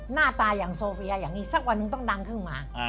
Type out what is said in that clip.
หน้าตาอย่างโซเฟียสักวันนึงต้องดังขึ้นมา